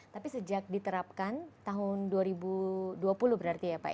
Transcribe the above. tapi sejak diterapkan tahun dua ribu dua puluh berarti ya pak